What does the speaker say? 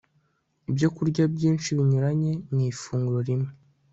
ibyokurya byinshi binyuranye mu ifunguro rimwe